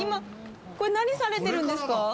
これ、何されているんですか。